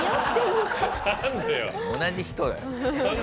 同じ人よ。